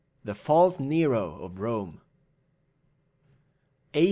THE FALSE NERO OF ROME. A.